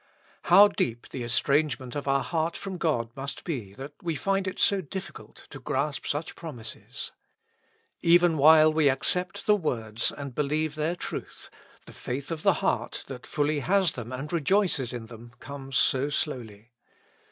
How deep the estrangement of our heart from God must be, that we find it so difficult to grasp such 44 With Christ in the School of Prayer. promises. Even while we accept the words and believe their truth, the faith of the heart, that fully has them and rejoices in them, comes so slowly.